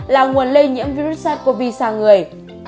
là nguồn lây nhiễm virus sars cov sang người